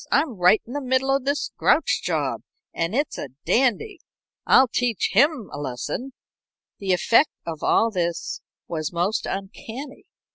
I'm right in the middle of this Grouch job, and it's a dandy. I'll teach him a lesson." The effect of all this was most uncanny.